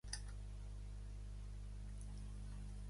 Es va establir a Bury Saint Edmunds.